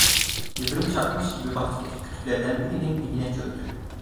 Yıldırım çarpmış gibi bahçedeki kütüklerden birinin dibine çöktü.